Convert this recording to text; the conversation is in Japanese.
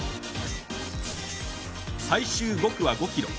最終５区は５ｋｍ。